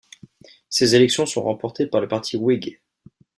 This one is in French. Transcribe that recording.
Ces élections sont remportées par le Parti Whig.